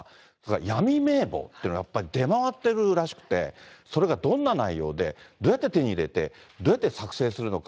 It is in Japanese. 闇名簿ってのはやっぱり、出回ってるらしくて、それがどんな内容で、どうやって手に入れて、どうやって作成するのか。